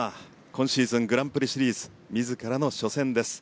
今シーズン、グランプリシリーズ自らの初戦です。